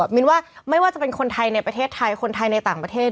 มินว่าไม่ว่าจะเป็นคนไทยในประเทศไทยคนไทยในต่างประเทศ